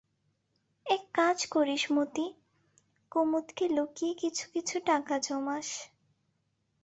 এক কাজ করিস মতি, কুমুদকে লুকিয়ে কিছু কিছু টাকা জমাস।